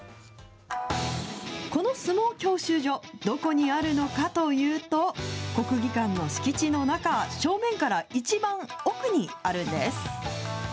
この相撲教習所、どこにあるのかというと、国技館の敷地の中、正面から一番奥にあるんです。